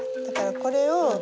だからこれを。